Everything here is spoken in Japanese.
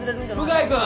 向井君！